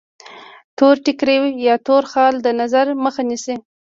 تور ټیکری یا تور خال د نظر مخه نیسي.